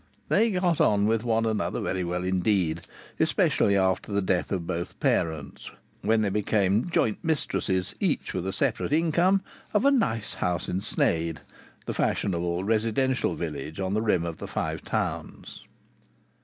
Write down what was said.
They got on with one another very well indeed, especially after the death of both parents, when they became joint mistresses, each with a separate income, of a nice house at Sneyd, the fashionable residential village on the rim of the Five Towns.